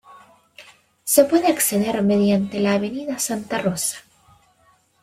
Se puede acceder mediante la Avenida Santa Rosa.